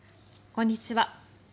こんにちは。